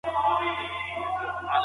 د روغتیایي شوراګانو رول څه دی؟